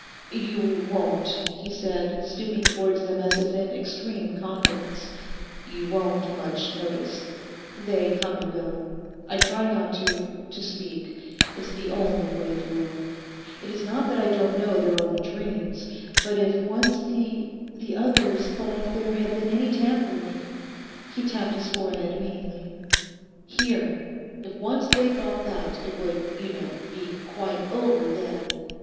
'You won't,' he said, stooping towards them as if in extreme confidence, 'you won't much notice? They come and go. I try not to—to speak. It's the only way through. It is not that I don't know they're only dreams. But if once the—the others thought there had been any tampering'—he tapped his forehead meaningly—'here: if once they thought that, it would, you know, be quite over then.